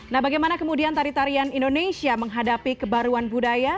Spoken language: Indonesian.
nah bagaimana kemudian tari tarian indonesia menghadapi kebaruan budaya